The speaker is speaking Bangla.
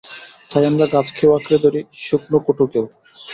তাই আমরা গাছকেও আঁকড়ে ধরি, শুকনো কুটোকেও।